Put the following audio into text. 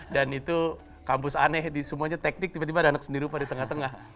dan itu kampus aneh semuanya teknik tiba tiba ada anak sendiri di tengah tengah